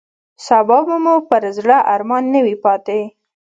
سبا به مو پر زړه ارمان نه وي پاتې.